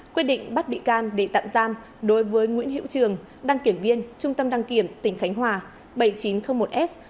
quyết định bắt bị can để tạm giam đối với nguyễn hữu trường đăng kiểm viên trung tâm đăng kiểm tỉnh khánh hòa bảy nghìn chín trăm linh một s